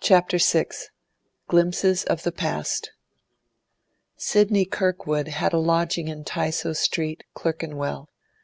CHAPTER VI GLIMPSES OF THE PAST Sidney Kirkwood had a lodging in Tysoe Street, Clerkenwell.